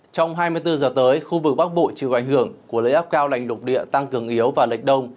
trong hai mươi bốn giờ tới khu vực bắc bộ chịu ảnh hưởng của lợi áp cao lạnh lục địa tăng cường yếu và lệch đông